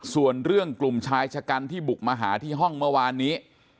ส่วนเรื่องกลุ่มชายชะกันที่บุกมาหาที่ห้องเมื่อวานนี้